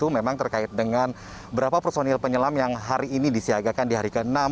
memang terkait dengan berapa personil penyelam yang hari ini disiagakan di hari ke enam